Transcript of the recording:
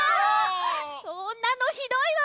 そんなのひどいわ！